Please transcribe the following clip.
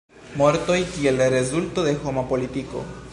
Mortoj kiel rezulto de homa politiko.